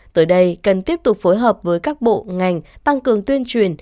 tới đây cần tiếp tục phối hợp với các bộ ngành tăng cường tuyên truyền